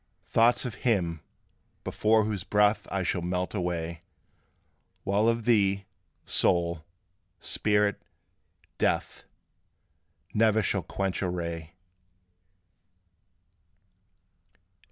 "Thoughts of Him, before whose breath I shall melt away; While of thee, soul spirit, death Ne'er shall quench a ray!"